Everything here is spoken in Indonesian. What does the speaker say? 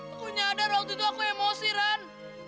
aku nyadar waktu itu aku emosi kan